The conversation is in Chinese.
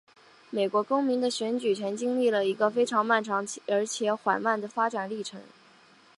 美国公民的选举权经历了一个非常漫长而且缓慢的发展历程。